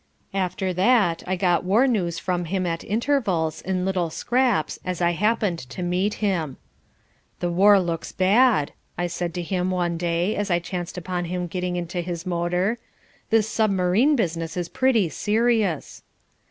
After that I got war news from him at intervals, in little scraps, as I happened to meet him. "The war looks bad," I said to him one day as I chanced upon him getting into his motor. "This submarine business is pretty serious."